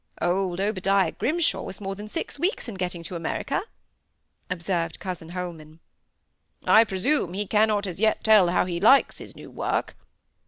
"Old Obadiah Grimshaw was more than six weeks in getting to America," observed cousin Holman. "I presume he cannot as yet tell how he likes his new work?"